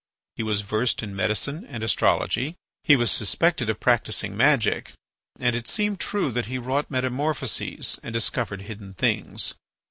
He was versed in medicine and astrology. He was suspected of practising magic, and it seemed true that he wrought metamorphoses and discovered hidden things.